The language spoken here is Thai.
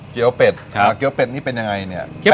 เกี๊ยวเป็ดหาเกี๊ยวเป็นนี่เป็นยังไงเนี่ย